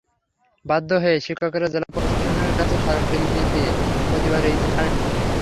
বাধ্য হয়ে শিক্ষকেরা জেলা প্রশাসনের কাছে স্মারকলিপি দিয়ে প্রতিবাদের ইতি টানেন।